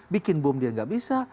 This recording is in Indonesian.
bikin bom dia nggak bisa